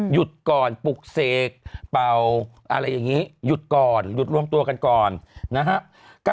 หยุดก่อนปลูกเสกเป่า